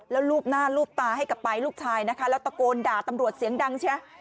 แล้วรูปหน้าลูบตาให้กับไปลูกชายนะคะแล้วตะโกนด่าตำรวจเสียงดังเชีย